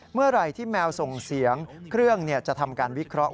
เมื่อไหร่ที่แมวส่งเสียงเครื่องจะทำการวิเคราะห